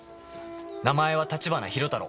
名前は立花広太郎